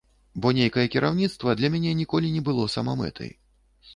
Бо нейкае кіраўніцтва для мяне ніколі не было самамэтай.